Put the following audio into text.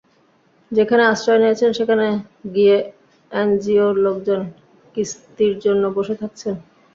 যেখানে আশ্রয় নিয়েছেন, সেখানে গিয়ে এনজিওর লোকজন কিস্তির জন্য বসে থাকছেন।